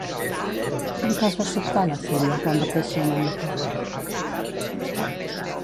Amb què es va sobtar la filla quan va créixer una mica?